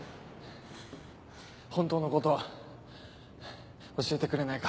本当のこと教えてくれないか？